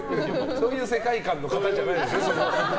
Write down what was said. そういう世界観の方じゃないです。